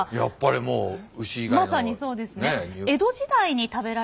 まさにそうですね。